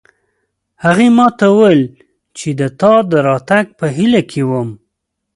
هغې ما ته وویل چې د تا د راتګ په هیله کې وم